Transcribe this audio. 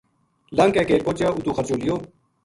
لنگھ کے کیل پوہچیا اُتو خرچو لیو